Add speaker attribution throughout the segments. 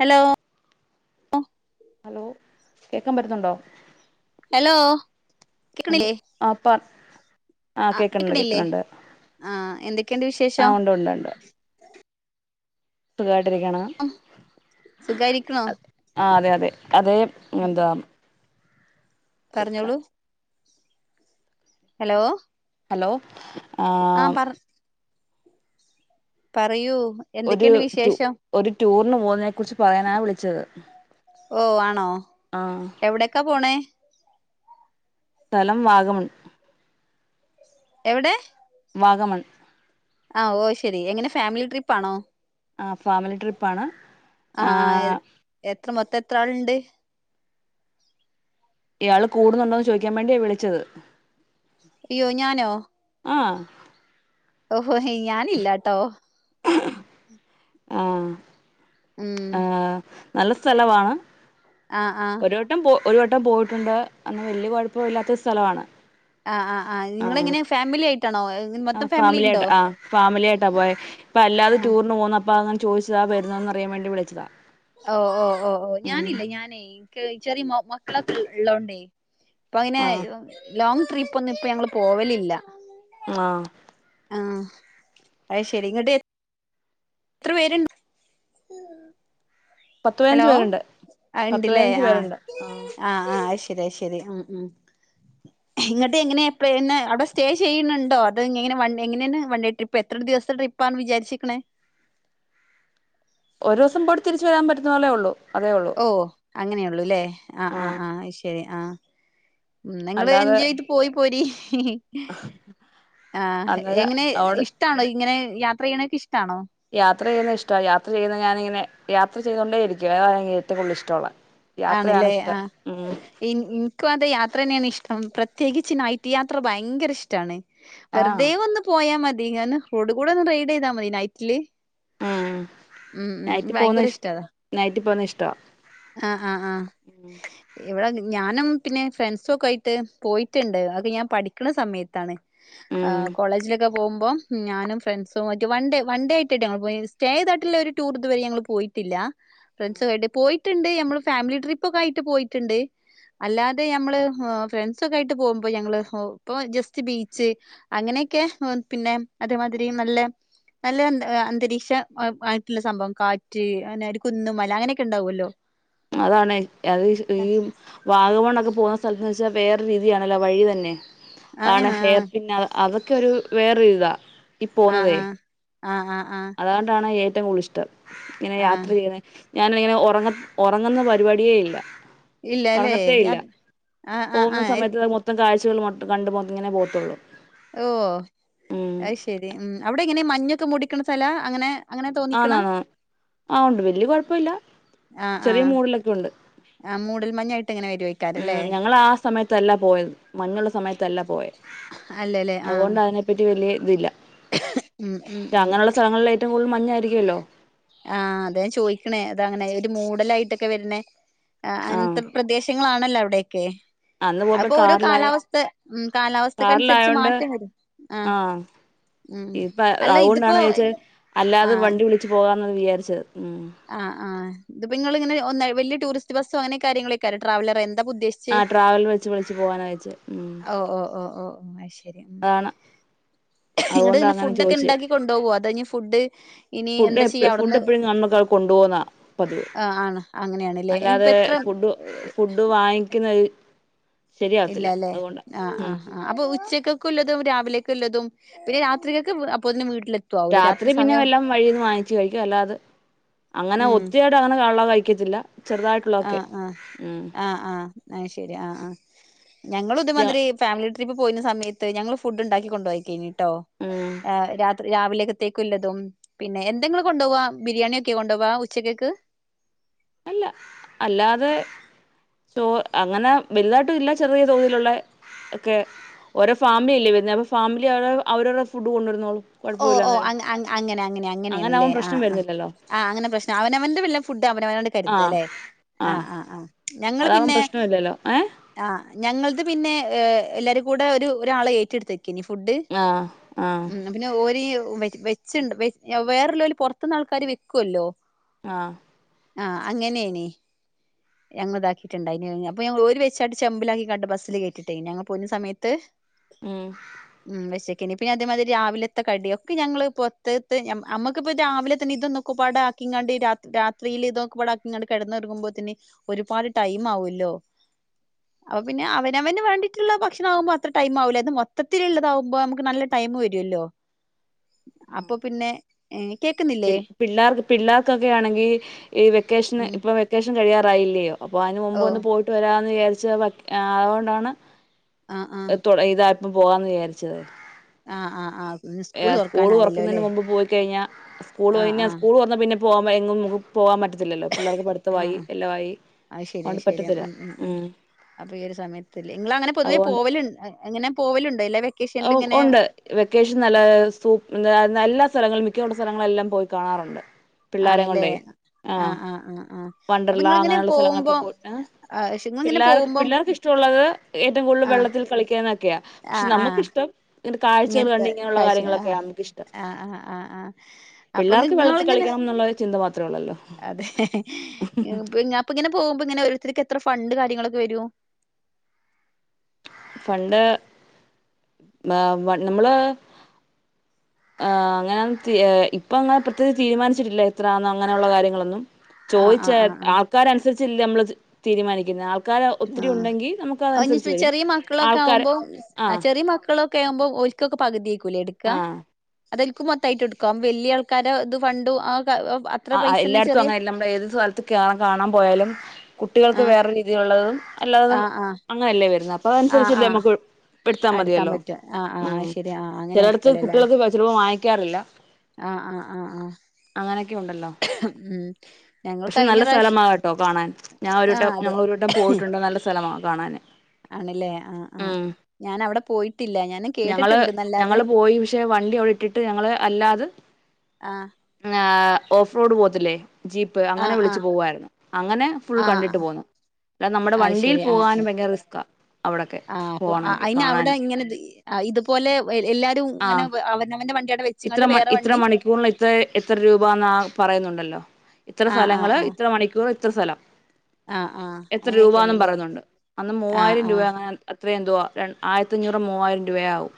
Speaker 1: Hello ലോ
Speaker 2: hello കേക്കാൻ പറ്റുന്നുണ്ടോ
Speaker 1: ഹലോ
Speaker 2: ഹലോ
Speaker 1: കേക്കണില്ലേ
Speaker 2: ആ പർ ആ കേക്ക്ണ് ണ്ട് കേക്ക്ണ് ണ്ട്
Speaker 1: ആ എന്തൊക്കെയുണ്ട്
Speaker 2: ആ
Speaker 1: വിശേഷം
Speaker 2: ഉണ്ട് ഉണ്ട് ണ്ട് സുഖായിട്ട് രിക്ക്ണ്
Speaker 1: സുഖായിരിക്കണോ
Speaker 2: ആ അതെ തെ അതേ എന്താ
Speaker 1: പറഞ്ഞോളൂ ഹലോ
Speaker 2: ഹലോ
Speaker 1: ആ
Speaker 2: ആം
Speaker 1: പറ പറയൂ
Speaker 2: ഒര്
Speaker 1: എന്തൊക്കെയുണ്ട്
Speaker 2: റ്റു
Speaker 1: വിശേഷം
Speaker 2: ഒര് റ്റൂ ണ് പോണേ കുറിച്ച് പറയാനാ വിളിച്ചത്
Speaker 1: ഓ ആണോ
Speaker 2: ആ
Speaker 1: എവിടെക്കാ പോണേ
Speaker 2: സ്ഥലം വാകമൺ
Speaker 1: എവിടെ
Speaker 2: വാഗമൺ
Speaker 1: അ ഓ ശെരി എങ്ങനെ ഫാമിലി ട്രിപ്പാണോ
Speaker 2: ആ ഫാമിലി ട്രിപ്പാണ് ആ
Speaker 1: ത്രാള്ണ്ട്
Speaker 2: യാള് കൂടുന്നുണ്ടോ ചോയ്ക്കാൻ മേണ്ടിയ വിളിച്ചത്
Speaker 1: അയ്യോ ഞാനോ
Speaker 2: ആ
Speaker 1: ഓ ഹോ ഹോയ് ഞാനില്ലാട്ടോ
Speaker 2: ആ
Speaker 1: ഉം
Speaker 2: ആ നല്ല സ്ഥലമാണ്
Speaker 1: ആ ആ
Speaker 2: ഒരുവട്ടം പോയിട്ടുണ്ട് അങ്ങ് വല്ല്യ കൊഴപ്പമില്ലാത്ത സ്ഥലമാണ്
Speaker 1: ആ ആ ആ
Speaker 2: ആഹ്
Speaker 1: നിങ്ങളെങ്ങനെ ഫാമിലി ആയിട്ടാണോ പോയെ
Speaker 2: ആ ഫാമിലി യായിട്ട ആ ഫാമിലിയായിട്ട പോയെ ഇപ്പ അല്ലാതെ
Speaker 1: ആ
Speaker 2: റ്റൂറിന് പോവ്ണ വാങ്ങാ ചോയിച്ചതാ വരുന്നോ എന്നറിയാൻ വേണ്ടി വിളിച്ചതാ
Speaker 1: ഓ ഓ ഓ ഓ
Speaker 2: ഉം
Speaker 1: ഞാനില്ല ഞാന് ഇൻക്ക് ചെറിയ മോ മക്കളൊക്കെ ഇള്ളോ ണ്ടെ ഇപ്പൊ അയിന്
Speaker 2: ആഹ്
Speaker 1: ലോങ്ങ് ട്രിപ്പ് ഒന്നും ഇപ്പൊ ഞങ്ങള് പോവലില്ല
Speaker 2: ആ
Speaker 1: ആ അഹ് ശരി ഇങ്ങട്ട് എത്ര പേര്
Speaker 2: പത്ത് പതിനഞ്ച് പേര്ണ്ട് പത്ത് പതിനഞ്ച് പേര്ണ്ട് ആ
Speaker 1: ഇതാ ശരി ഉം ഉം ഇങ്ങട്ട് എങ്ങനെ പിന്നെ ഔടെ സ്റ്റേ ചെയ്യ്ണ് ണ്ടോ അത് എങ്ങനെ വൺ എങ്ങനെണ് വൺ ഡേ ട്രിപ്പ് എത്ര ദിവസത്തെ ട്രിപ്പാണ് വിചാര്ച്ച്ക്ക്‌ണേ
Speaker 2: ഒരൂസം പോയി തിരിച്ച് വരാൻ പറ്റുന്നത് പോലെയൊള്ളു
Speaker 1: ഓ അങ്ങനെയൊള്ളുലെ ആ ആ
Speaker 2: ആഹ്
Speaker 1: ആ അത് ശരി ആ ഇന്നാ ഇങ്ങള്
Speaker 2: അല്ലാതെ
Speaker 1: എൻജോയായിട്ട് പോയി പോരി ആ
Speaker 2: അന്നേരം
Speaker 1: എങ്ങനെ
Speaker 2: അവിടെ
Speaker 1: ഇഷ്ടാണോ ഇങ്ങനെ യാത്ര ചെയ്യ്ണേ ഇഷ്
Speaker 2: യാത്ര ചെയ്യ്ണ ഇഷ്ടാ യാത്ര ചെയ്യുന്നത് ഞാനിങ്ങനെ യാത്ര ചെയ്ത്തൊണ്ടേയിരിക്കും അതാണ് ഏറ്റവും കൂടുതൽ ഇഷ്ടള്ള
Speaker 1: ആണ്ല്ലേ ആ ഇൻ ഇൻക്കു അതെ യാ യാത്രയാണ് ഇഷ്ടം പ്രത്യേകിച്ച് നൈറ്റ്‌ യാത്ര ഭയങ്കര ഇഷ്ട്ടാണ്.
Speaker 2: ആഹ്
Speaker 1: വെറുതെ ഒന്ന് പോയാ മതി. ഇങ്ങനെ റോഡ് കൂടെ ഒന്ന് റെയ്ഡ് ചെയ്താൽ മതി നൈറ്റ്‌ല്
Speaker 2: ഉം ഉം നൈറ്റ് പോവുന്നേ
Speaker 1: ഭയങ്കര
Speaker 2: ഇഷ് നൈറ്റ് പോവുന്നേ ഇഷ്ടാ
Speaker 1: ആ ആ ആ ഇവിടെ ഞാനും പിന്നെ ഫ്രണ്ട്സ് ഒക്കെ ആയിട്ട് പോയിട്ട്ണ്ട് അത് ഞാൻ പഠിക്കുന്ന സമയത്താണ്. ആ
Speaker 2: ഉം
Speaker 1: കോളേജിലൊക്കെ പോവുമ്പം ഞാനും ഫ്രണ്ട്സുംമായിട്ട് വൺ ഡേ വൺ ഡേ ആയിട്ട്ട്ട് പോയത് സ്റ്റേ ചെയ്തായിട്ടുള്ള ടൂർ ഇതുവരെ പോയിട്ടില്ല ഫ്രെണ്ട്സായിട്ട് പോയി ട്ടിണ്ട് ഫാമിലി ട്രിപ്പ് ഒക്കെ ആയിട്ട് പോയിട്ടുണ്ട് അല്ലാതെ ഞമ്മൾ ഫ്രണ്ട്സ് ഒക്കെയായി പോവുമ്പോൾ ഞങ്ങള് ഇപ്പം ജസ്റ്റ് ബീച്ച് അങ്ങനെക്ക പിന്നെ അതേമതിരി നല്ല അന്തരീക്ഷമായിട്ടുള്ള സംഭവം കാറ്റ് കുന്ന് മല അങ്ങനെയൊക്കെ ഉണ്ടാവോല്ലോ
Speaker 2: അതാണ് ആ ഈ വാഗമൺ ഒക്കെ പോകുന്ന സ്ഥലത്ത് വേറെ ഒരു രീതിയാണല്ലോ വഴി തന്നെ
Speaker 1: ആ ആ
Speaker 2: ആണ്
Speaker 1: ആ
Speaker 2: എയർ പിന്നെ ആണ് ഒരു വേറെയൊരുത്ത ഇ
Speaker 1: ആ
Speaker 2: പോന്നത്തെ
Speaker 1: ആ ആ ആ
Speaker 2: അതോണ്ട്ആണ് ഏറ്റവും കൂടുതൽ ഇ [unintelligible] എങ്ങനെ
Speaker 1: ആ
Speaker 2: യാത്ര ചെയ്യണേ ഞാനിങ്ങനെ ഉറങ്ങ് ഉറങ്ങുന്ന പരിപാടിയല്ലേ
Speaker 1: ഇല്ലല്ലേ
Speaker 2: ഉറങ്ങാതെ ഇല്ല
Speaker 1: ആ ആ ആ
Speaker 2: പോകുന്ന സമയത്തെ മൊത്തം കാഴ് ച്ചകൾ മൊത്തം കണ്ട് ഇങ്ങനെ പോത്തോളു
Speaker 1: ഓ അത് ശരി ഉം അവിടെയ എങ്ങനെയാ മഞ്ഞുതുടിനിക്കുന്ന സ്ഥല അങ്ങനെ അങ്ങനെ തോന്നിക്കണ
Speaker 2: അന്ന് അന്ന് ആ വല്യക്കുഴപ്പം ഇല്ല ചെറിയ മൂഡ്യാലോകെ ക്കുണ്ട്
Speaker 1: ആ മൂടൽമഞ്ഞ്
Speaker 2: ഞങ്ങള് ആ സമയത്ത് അല്ല പോയത് മഞ്ഞ് ഒള്ള സമയത്ത് അല്ല പോയെ
Speaker 1: അല്ലല്ലേ ആഹ്
Speaker 2: അതുകൊണ്ട് അതിനെപ്പറ്റി വല്യ ഇതല്ല അങ്ങനെ ഒള്ള സ്ഥലങ്ങളിൽ ഏറ്റവുംകൂടുതൽ മഞ്ഞ് അ
Speaker 1: ആ അതെ ചോദിക്കണേ അത് അങ്ങനെ ഒരു മൂടൽഒക്കെ ആയിട്ട് വർ ണെ ആ ആ
Speaker 2: ആഹ്
Speaker 1: അങ്ങനത്തെ പ്രദേശങ്ങൾ ആണ് നല്ല അവിടെ
Speaker 2: അന്ന് പോയപ്പോ
Speaker 1: അതിപ്പോൾ ഓരോ
Speaker 2: കാറിലായ
Speaker 1: കാലാവസ്ഥാ ഉം കാലാവസ്ഥ അനുസരിച്ചു
Speaker 2: കാറിലായോണ്ട്
Speaker 1: മാറ്റംവരും അ
Speaker 2: ആഹ്
Speaker 1: മ് അല്ല ഇതിപ്പോൾ
Speaker 2: അയാള് വണ്ടി വിളിച്ച്പോകുന്നു വിചാരിച്ച് [unintelligible]
Speaker 1: ആ ആ ഇതിപ്പോൾ നിങ്ങളെങ്ങനെ വലിയ ടൂറിസ്റ്റ് ബസ് അങ്ങനെക്ക് അരുന്നോ ട്രാവലർ ഉദ്ദേശിച്ച്
Speaker 2: ആ ട്രാവൽ വെച്ച് വിളിച്ച് പോകാനാ വിചാരിച്ചേ ഉം
Speaker 1: ഓ ഓ ഓ ഓ അത് ശരിയ
Speaker 2: അതാണ്
Speaker 1: ഇങ്ങോട്ട്
Speaker 2: അതുകൊണ്ടാ
Speaker 1: ഇനി
Speaker 2: അങ്ങനെ
Speaker 1: ഫൂഡ് ഒക്കെ ഉണ്ടാക്കി കൊണ്ടോ വോ ഫൂഡ്
Speaker 2: ഫുഡ്‌ എപ്പോഴും ഫുഡ്‌ എപ്പോഴും കാണുന്നതാ കൊണ്ടുപോകുന്ന പതിവ്
Speaker 1: ആഹ് ആണ് അങ്ങനെയാണ്ല്ലേ ഇനിപ്പ
Speaker 2: അല്ലാതെ
Speaker 1: എത്ര
Speaker 2: ഫുഡ്‌ ഫുഡ്‌ വാങ്ങിക്കു അയി
Speaker 1: ഇല്ലാ ല്ലേ ആ ആ ആ അപ്പൊ ഉച്ചക്ക് ല്ലതും രാവിലേക്ക്ല്ലതും പിന്നെ രാത്രികക്ക് അപ്പോത്തിന് വീട്
Speaker 2: രാത്രി പിന്നെ എല്ലാം വഴിന്ന് വാങ്ങിച്ച് കഴിക്കും അല്ലാതെ അങ്ങനെ
Speaker 1: ഉം
Speaker 2: ഒത്തിരി അങ്ങ് കഴിക്കു കഴിക്കത്തില്ല ചെറുതായിട്ട് ള്ളതൊക്കെ ഉം
Speaker 1: ഐ ശെരി ആ ആ ഞങ്ങളും
Speaker 2: ച
Speaker 1: ഇതേമാതിരി ഫാമിലി ട്രി ഇപ്പൊ പോയിനെ സമയത്ത് ഞങ്ങൾ ഫുഡ്‌ ഉണ്ടാക്കി കൊണ്ടോയക്കേനി ട്ടോ
Speaker 2: ഉം
Speaker 1: ഏ രാത് രാവിലത്തേക്ക് ഉള്ളതും പിന്നെ എന്താ ഇങ്ങൾ കൊണ്ടോവാ ബിരിയാണി ഒക്കെ കൊണ്ടോവാ ഉച്ചക്കക്ക്
Speaker 2: അല്ല അല്ലാതെ ടൂർ അങ്ങനെ വെൽതായിട്ടുല്ല ചെറിയ തോതിലുള്ള ഒക്കെ ഒരു ഫാമിലി ഇല്ലേ അപ്പൊ ഫാമിലി അവർ അവരുടെ ഫുഡ്‌ കൊണ്ടുവന്നോളും
Speaker 1: ഓ ഓ അങ് അങ് അങ്ങനെ അങ്ങനെ അങ്ങനെണ് ലെ
Speaker 2: ആവുമ്പം
Speaker 1: ആ
Speaker 2: പ്രശ്നം
Speaker 1: അ
Speaker 2: വരുന്നില്ലല്ലോ
Speaker 1: ആ അങ്ങനെ പ്രശ്നം അവനവൻ വേണ്ട ഫുഡ്‌ അവനവൻ
Speaker 2: ആഹ്
Speaker 1: കര്താല്ലേ ആ
Speaker 2: ആഹ്
Speaker 1: ആ ഞങ്ങൾ
Speaker 2: അതാവുമ്പം
Speaker 1: പിന്നെ
Speaker 2: പ്രശ്നമില്ലല്ലോ ഏഹ്
Speaker 1: ആ ഞങ്ങൾത് പിന്നെ എല്ലാരും കൂടെ ഒരു ഒരാളെ ഏറ്റടത്തിന് ക്കിനി ഫുഡ്‌
Speaker 2: ആഹ് ആഹ്
Speaker 1: ഉം ന്നാ ഓര് വെറ്റ് വെച്ച് ഇണ്ട് വെച് വേറെല്ലോൽ പുറത്തിന്ന് ആൾക്കാര് വെക്കൊല്ലോ
Speaker 2: ആ
Speaker 1: ആ അങ്ങനെനി ഞങ്ങൾത് ആക്കിട്ട് ഇണ്ടായിനിഅപ്പൊ ഞാൻ ഓര് വെച്ചാണ്ട് ചെമ്പിലാക്കിക്കാൻണ്ട് ബസ്ൽ കയറ്റിട്ട് ഞങ്ങൾ പോയിനെ സമയത്ത്
Speaker 2: ഉം
Speaker 1: ഇനിപ്പോ ഞാൻ അതേമാതിരി രാവിലെ ത്ത കടി ഒക്കെ ഞങ്ങൾ പോർത്ത്ത്ത് ഞ്ഞം അമ്മക്ക്‌പ്പോ രാവിലെ തന്നെ ഇതൊന്നുക്കുപ്പാടെ ആക്കിക്കാണ്ട് രാത് രാത്രിയിൽ ഇതൊക്കപ്പാടെ ആക്കിക്കാണ്ട് കിടന്ന് ഉറങ്ങുമ്പോത്തിന് ഒരുപാട് ടൈം ആവൊല്ലോ അപ്പൊ പിന്നെ അവനവന് വേണ്ടിട്ടുള്ള ഭക്ഷണം ആവുമ്പോ അത്ര ടൈം ആവുല ഇത് മൊത്തത്തിൽ ഇള്ളതാവുമ്പോ നമുക്ക് നല്ല ടൈം വരുമല്ലോ അപ്പൊ പിന്നെ ഏ
Speaker 2: പിൽ പിള്ളാർക്ക് പിള്ളാർക്കൊക്കെയാണേങ്കിൽ ഈ വെക്കേഷന്
Speaker 1: ഉം
Speaker 2: ഇപ്പൊ വെക്കേഷൻ കഴിയാറാ ആയില്ലയോ അപ്പൊ അതിന് മുൻപ്
Speaker 1: ഓ
Speaker 2: ഒന്ന് പോയിട്ട് വരാന്ന് വിജാരി ച്ചവെക് അതോണ്ടാണ്
Speaker 1: ആഹ് ആഹ്
Speaker 2: എ തൊടങ്ങിത പോവാന്ന് വിജാരിച്ചത്
Speaker 1: ആ ആ ആ
Speaker 2: സ്കൂളു തൊറക്കുന്നതിന് മുമ്പ് പോയിക്കഴിഞ്ഞാൽ സ്കൂള്
Speaker 1: ആഹ്
Speaker 2: കഴിഞ്ഞാ
Speaker 1: ആഹ്
Speaker 2: സ്കൂള് തൊറന്നാ പിന്നെ പോകുമ്പോ എങ്ങും നമ്മക്ക് പോകാൻ പറ്റത്തി
Speaker 1: ആ അത്ശരിയാ
Speaker 2: അതുകൊണ്ട്
Speaker 1: അത്‌ശരിയാ
Speaker 2: പറ്റത്തില്ല
Speaker 1: ഉം
Speaker 2: ഒ
Speaker 1: വെക്കേഷനിലും ഇങ്ങനെ
Speaker 2: ഉണ്ട് വെക്കേഷന് നല്ല സൂ നല്ല സ്ഥലങ്ങളില് മിക്കയൊള്ളാ സ്ഥലങ്ങളെല്ലാം പോയി കാണാറൊണ്ട്
Speaker 1: ആണല്ലേ
Speaker 2: പിള്ളേരെകൊണ്ടേ ആ
Speaker 1: ആഹ് ആഹ് ആഹ് ആഹ് അപ്പൊ
Speaker 2: വണ്ടർലാ
Speaker 1: നിങ്ങളിങ്ങനെ
Speaker 2: അങ്ങനെയുള്ള സ്ഥലങ്ങളൊക്കെ
Speaker 1: പോകുമ്പോ
Speaker 2: പോയി ഏ
Speaker 1: ആഹ് നിങ്ങളിങ്ങനെ
Speaker 2: പിള്ളാർക്ക്
Speaker 1: പോകുമ്പോ
Speaker 2: പിള്ളാർക്ക് ഇഷ്ടമൊള്ളത് ഏറ്റവും കൂടുതൽ വെള്ളത്തിൽ കളിക്കാനാ ക്കെയാ പക്ഷേ നമു
Speaker 1: ആ ഇങ്ങനത്തെ കാഴ്ചയാ
Speaker 2: കാര്യങ്ങളൊക്കെയാ നമുക്കിഷ്ടം
Speaker 1: ആ ആ ആ ആ അപ്പോ ങ്ങ്
Speaker 2: പിള്ളേർക്ക് വെള്ളത്തിൽ
Speaker 1: നിന്നോളിങ്ങനെ
Speaker 2: കളിക്കണം എന്നുള്ള ചിന്ത മാത്രേ ഉള്ളല്ലോ
Speaker 1: അതെ ഇപ്പോ അപ്പം പോകുമ്പോ ഇങ്ങനെ ഓരോരുത്തര് എ ഇത്ര ഫണ്ട് കാര്യങ്ങളൊക്കെ വെരും
Speaker 2: ഫണ്ട് മ്മ വ നമ്മള് അങ്ങനെ ത്തി ഇപ്പം അങ്ങനെ പ്രത്യേകിച്ച് തീരുമാനിച്ചിട്ടില്ല എത്രയാന്ന് അങ്ങനെയൊള്ള കാര്യങ്ങളൊന്നും
Speaker 1: ആഹ്
Speaker 2: ചോദിച്ച്
Speaker 1: ആഹ് ആഹ് ആഹ്
Speaker 2: ആൾക്കാര് അനുസരിച്ച് ച്ചില്ലെ നമ്മള് അത് തീരുമാനിക്കുന്നത് ആൾ ക്കാര് ഒത്തിരി
Speaker 1: ആഹ്
Speaker 2: ഉണ്ടെങ്കി നമുക്ക്
Speaker 1: അത്
Speaker 2: അതനുസരിച്ച്
Speaker 1: ഇനിപ്പോ
Speaker 2: വരും
Speaker 1: ചെറിയ മക്കളൊക്കെ
Speaker 2: ആൾക്കാര്
Speaker 1: ആവുമ്പോ
Speaker 2: ആ
Speaker 1: ചെറിയ മക്കളൊക്കെ ആവുമ്പോ ഓൽ ക്കെ പകുതി ക്കുല്ലേ എടുക്ക
Speaker 2: ആ
Speaker 1: അതോൽക്കും മൊത്തായിട്ട് എടുക്കുവോ വെല്ല്യ ആൾക്കാരെ ഇതു ഫണ്ടും ആ ക- അത്ര
Speaker 2: ആ ആഹ്
Speaker 1: പൈസന്നെ
Speaker 2: എല്ലായിടത്തും
Speaker 1: ചെറിയ
Speaker 2: അങ്ങനെയല്ല നമ്മള് ഏത് സ്ഥലത്ത് കേറാൻ കാണാൻ പോയാലും കുട്ടികൾക്ക്
Speaker 1: ആഹ്
Speaker 2: വേറെ ഒരു രീതിയിൽ ഉള്ളതും അല്ലാതെ
Speaker 1: ആഹ് ആഹ്
Speaker 2: അങ്ങനെയല്ലേ വരുന്നത് അപ്പോ
Speaker 1: ആഹ്
Speaker 2: അനുസരിച്ചല്ലേ
Speaker 1: ആഹ്
Speaker 2: നമുക്ക് എടുത്താൽ
Speaker 1: എടുക്കാൻ
Speaker 2: മതിയല്ലോ
Speaker 1: പറ്റും ആഹ് ആഹ്
Speaker 2: ഉം
Speaker 1: ആഹ് ശരി ആഹ് അങ്ങനെ
Speaker 2: ചെലയിടത്ത് കുട്ടികൾക്ക് ചെലപ്പോ വാങ്ങി ക്കാറില്ല
Speaker 1: ആ ആ ആ
Speaker 2: ഒണ്ടല്ലോ പക്ഷേ
Speaker 1: കഴിഞ്ഞ
Speaker 2: നല്ല
Speaker 1: പ്രാവശ്യം
Speaker 2: സ്ഥലമാട്ടോ കാണാൻ ഞങ്ങള്
Speaker 1: ആഹ്
Speaker 2: ഒരുവട്ടം
Speaker 1: അതെ
Speaker 2: ഞങ്ങൾ ഒരു വട്ടം പോയിട്ടുണ്ട്‌ നല്ല സ്ഥലമാ കാണാന്
Speaker 1: ആണല്ലേ ആഹ് ആഹ്
Speaker 2: ഉം
Speaker 1: ഞാൻ അവിടെ പോയിട്ടില്ല ഞാൻ
Speaker 2: ഞങ്ങള്
Speaker 1: കേട്ടിട്ടുണ്ട്ന്നല്ലാതെ
Speaker 2: ഞങ്ങള് പോയി പക്ഷേ വണ്ടി അവിടെ ഇട്ടിട്ട് ഞങ്ങള് അല്ലാതെ
Speaker 1: ആഹ്
Speaker 2: ആ ഓഫ്രോഡ് പോകത്തില്ലേ ജീപ്പ് അങ്ങനെ
Speaker 1: ആഹ്
Speaker 2: വിളിച്ചു
Speaker 1: ആഹ്
Speaker 2: പോവായിരുന്നു അങ്ങനെ ഫുൾ
Speaker 1: ആഹ്
Speaker 2: കണ്ടിട്ട്
Speaker 1: ആഹ്
Speaker 2: പോന്നു അല്ലാതെ നമ്മടെ വണ്ടി പോകാനും ഭയങ്കര റിസ്കാ
Speaker 1: ആ പോ അയിന് അവിടെ ഇങ്ങനെ ഈ ഇതുപോലെ എല്ലാവരും
Speaker 2: ആ
Speaker 1: ഇങ്ങനെ അവനവന്റെ വണ്ടി അവിടെ വെ
Speaker 2: ഇത്ര
Speaker 1: വെച്ച്ങ്ങാണ്ട്
Speaker 2: മണി
Speaker 1: വേറെ
Speaker 2: ഇത്ര മണിക്കൂർന്ന് ഇത്ര എത്ര രൂപാന്ന് ആ പറയുന്നുണ്ടല്ലോ ഇത്ര
Speaker 1: ആഹ് ആഹ്
Speaker 2: സ്ഥലങ്ങള്
Speaker 1: ആഹ്
Speaker 2: ഇത്ര മണിക്കൂർ പോ ഇത്ര സ്ഥലം
Speaker 1: ആഹ് ആഹ്
Speaker 2: എത്ര രൂപാന്നും
Speaker 1: അങ്ങനെയൊക്കെയാണ്ല്ലേ
Speaker 2: പറയുന്നുണ്ട് അന്ന്
Speaker 1: ആഹ്
Speaker 2: മൂവായിരം
Speaker 1: ആഹ്
Speaker 2: രൂപയാ അങ്ങനെ ത്ര എന്തുവാ ര ആയിരത്തഞ്ഞൂറ് മൂവായിരം രൂപയാകും.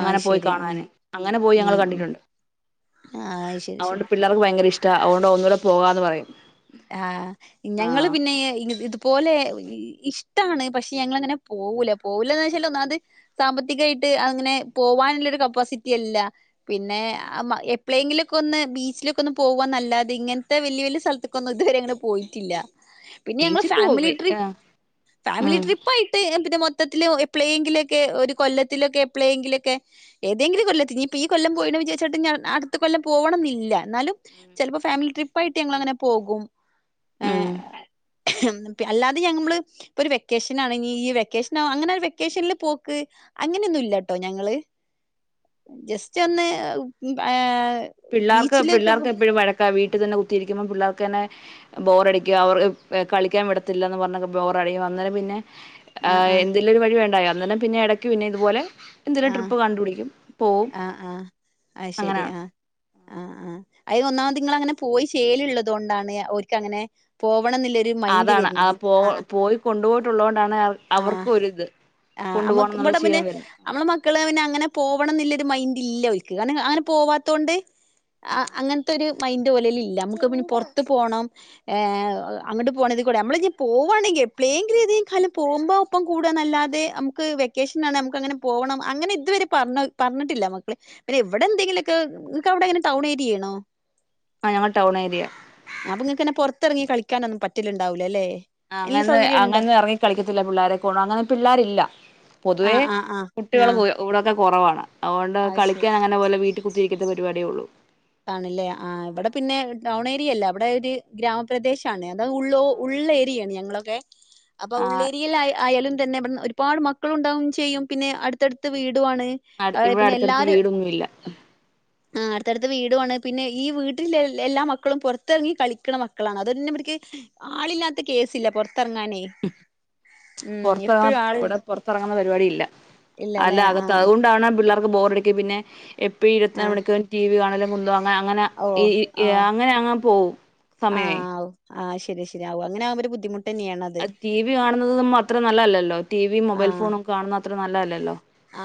Speaker 1: ആഹ്
Speaker 2: പോയി
Speaker 1: ശരി ആഹ്
Speaker 2: കാണാന് പോയി ഞങ്ങള്
Speaker 1: ഉം ഉം
Speaker 2: കണ്ടിട്ടുണ്ട്.
Speaker 1: ആഹ് ശരി
Speaker 2: അതുകൊണ്ട്
Speaker 1: ശരി
Speaker 2: പിള്ളേർക്ക് ഭയങ്കര ഇഷ്ടാ അതുകൊണ്ടു ഒന്നുടെ പോകാന്ന് പറയും.
Speaker 1: ആ
Speaker 2: ആ
Speaker 1: ഞങ്ങള് പിന്നെ ഇതുപോലെ ഇ ഇഷ്ട്ടമാണ് പക്ഷെ ഞങ്ങളെങ്ങനെ പോവൂല പോവൂലാന്ന് വെച്ചാ ഒന്നാമത് സാമ്പത്തികമായിട്ട് അങ്ങനെ പോവാനുല്ലൊരു കപ്പാസിറ്റിയല്ല. പിന്നെ
Speaker 2: ഉം
Speaker 1: എപ്പളേങ്കിലും ഒക്കെ ബിച്ചിലൊക്കെ ഒന്നു പോകുവന്നല്ലാതെ ഇങ്ങനത്തെ വല്യ വല്യ സ്ഥലത്ത് കൊന്നു ഇതുവരെ അങ്ങനെ പോയിട്ടില്ല. പിന്നെ ഞങ്ങള്
Speaker 2: ബീച്ചിൽ പോവും
Speaker 1: ഫാമിലി ട്രിപ്പ്
Speaker 2: ആഹ്
Speaker 1: ഫാമിലി
Speaker 2: ഉം
Speaker 1: ട്രിപ്പായിട്ട് പിന്നെ മൊ ത്തില് എപ്പളേലെങ്കിലുംക്കെ ഒരു കൊല്ലത്തിൽക്കെ എപ്പേളേങ്കിലും ഒക്കെ ഏതങ്കിലും കൊല്ലത്ത്ഈ കൊല്ലം പോയില്ലാന്ന് വെച്ചിട്ട് അടുത്ത കൊല്ലം പോവണംന്ന് ഇല്ല. ന്നാലും ചിലപ്പോ ഫാമിലി ട്രിപ്പ് പ്പായിട്ടു ഞങ്ങൾ അങ്ങനെ പോകും. ആ
Speaker 2: ഉം
Speaker 1: അല്ലാതെ ഞമ്മള് ഒരു വെക്കേഷനാണങ്കി ഈ വൈക്കേഷനോ അങ്ങനെ ഒരു വെക്കേഷനില് പോക്ക് അങ്ങനെ ഒന്നു ഇല്ല കേട്ടോ ഞങ്ങള്. ജസ്റ്റ് ഒന്ന് ആ
Speaker 2: പിള്ളാർക്ക് പിളളാർക്ക് എപ്പഴു വഴ ക്ക വീട്ടിൽ തന്നെ കുത്തിയിരിക്കുമ്പം പിള്ളാർക്ക് തന്നെ ബോറഡിക്കുക അവർ കളിക്കാൻ വിടത്തില്ലന്ന് പറഞ്ഞ് ബോറഡിടിക്കും. അന്നേരം പിന്നെ ആ
Speaker 1: ആഹ് ആഹ്
Speaker 2: എന്തെലും ഒരു വഴി വേണ്ടയ ഇന്നലെ പിന്നെ ഇടയ്ക്ക് പിന്നെ ഇതുപോലെ എന്തെരു
Speaker 1: ആഹ്
Speaker 2: ട്രിപ്പ് കണ്ടുപിടിക്കും പോവും അങ്ങനാ.
Speaker 1: ആ ആ അതിനെന്നാമത് അങ്ങനെ പോയി ശീലമുള്ളതു കൊണ്ടാണ് ഓര്ക്ക് അങ്ങനെ പോ
Speaker 2: അതാണ് പോയ പോയികൊണ്ടുപോയിട്ടുള്ള കൊണ്ടാണ്
Speaker 1: ആ ആ നമ്മക്
Speaker 2: എന്നുള്ള
Speaker 1: ഇവിടെ പിന്നെ
Speaker 2: ശീലം വരുന്നത്
Speaker 1: നമ്മടെ മക്കള് പിന്നെ പോവണമെന്നുള്ള മൈന്റ് ഇല്ല ഓല്ക്ക് കാരണം അങ്ങനെ പോവാത്തണ്ട് ആ അങ്ങനത്തൊരു മൈന്റ് പോലും ഇല്ല നമ്മുക്ക് പിന്നെ പുറത്തു പോണം ഏ അങ്ങോട്ട് പോണേ കൂടി നമ്മള് പോവാണങ്കി എപ്പളേലും ഏതങ്കിലും കാലം പോവുമ്പം ഒപ്പം കൂടുവന്നല്ലാതെ നമ്മുക്ക് വൈക്കേഷനാണ് നമ്മുക്കങ്ങനെ പോവണം അങ്ങനെ ഇതുവരെ പറഞ് പറഞ്ഞിട്ടില്ല മക്കള്. പിന്നെ ഇവിടെന്തങ്കിലും ഒക്കെ നിങ്ങൾക്ക് അവിടെങ്ങനെ ടൗൺ ഏരിയാണോ?
Speaker 2: ആ ഞങ്ങള് ടൗണേരിയാ.
Speaker 1: ക്കാനൊന്നു പറ്റലുണ്ടാവില്ലല്ലേ?
Speaker 2: അങ്ങനൊന്നു അങ്ങനൊന്നു ഇറങ്ങി കളി ത്തില്ല പിള്ളാരെ കൊണ്ട് അങ്ങനെ പിള്ളാരില്ല. പൊതുവേ
Speaker 1: ആഹ് ആഹ് ആഹ്
Speaker 2: കുട്ടികളു
Speaker 1: ആഹ്
Speaker 2: പോലും ഇവിടെക്കെ കുറവാണ്. അതുകൊണ്ട്
Speaker 1: അത് ശരി
Speaker 2: കളിക്കാൻ അങ്ങനെ പോലും വീട്ടി കുത്തിയിരിക്കുന്ന പരുപാടിയേ ഉള്ളു.
Speaker 1: ആണല്ലേ ആ ഇവിടെ പിന്നെ ടൗണേരിയല്ല അവിടെ ഒരു ഗ്രാമപ്രദേശമാന്നേ. ആ ഉൾ ഉൾ ഏരിയാണ് ഞങ്ങളെക്കെ. അപ്പ
Speaker 2: ആ
Speaker 1: ഉള്ളേരിയ്ലായ ആയാലും. പിന്നെ ഇബ്ടുന്ന് ഒര്പാട് മക്കളുണ്ടാവേം ചെയ്യും പിന്നേ അടുത്തടുത്ത് വീടു ടുവാണ്,
Speaker 2: അടു
Speaker 1: ആ
Speaker 2: ഇവിടെ
Speaker 1: പിന്നെ
Speaker 2: അടുത്തടുത്ത്
Speaker 1: എല്ലാരും
Speaker 2: വീടൊന്നുമില്ല
Speaker 1: അ ത്ത് വീടുവാണ് പിന്നെ ഈ വീട്ടിലൊ എ ല്ലാ മക്കളും പുറത്തെർങ്ങി കളിക്കണ മക്കളാണ് അതുപോലന്ന്ബിടിക്ക് ആളില്ലാത്ത കേസില്ല പൊറ ത്തെർങ്ങാനെ ഉം എപ്പഴു ആള്
Speaker 2: അങ്ങപരിപാടി ഇല്ല അല്ല
Speaker 1: ഇല്ലല്ലേ ആ
Speaker 2: അകത്ത് അതുകൊണ്ടാണ് പിള്ളാർ ബോറടിക്കോ പിന്നെ എപ്പഴും
Speaker 1: ആ
Speaker 2: ഇരുപത്തിനാൽ മണിക്കൂറും റ്റി വി കാണ് അല്ലമുല്ല ആ അങ്ങനെ
Speaker 1: ഓ
Speaker 2: ഈ ഈ
Speaker 1: ആ
Speaker 2: അങ്ങനെ അങ്ങ് പോവും സമയവേ
Speaker 1: പിന്നെ ശെരിയാവും അങ്ങെനെ ആവുമ്പോ ഒരു ബുദ്ധിമു
Speaker 2: അത് റ്റിവി കാണുന്നതും അത്ര നല്ല അല്ലല്ലോ റ്റിവീം
Speaker 1: ആ
Speaker 2: മൊബൈൽ ഫോണും കാണു അത്ര നല്ലതല്ലല്ലോ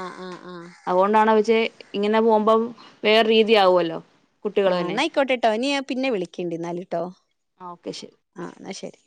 Speaker 1: ആ ആ ആ
Speaker 2: അതുകൊണ്ടാണത് ചെ ഇങ്ങനെ പോവുമ്പം വേറ് രു രീതിയാവുവല്ലോ
Speaker 1: ആ ന്നായിക്കോട്ട് ട്ടോ ഇനി നാ പിന്നെ വിളിക്കലുണ്ട് എന്നാല് ട്ടോ
Speaker 2: ആ ഓക്കെ ശരി
Speaker 1: ആ ന്നാ ശെരി